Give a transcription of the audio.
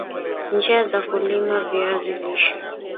Njia za kulima viazi lishe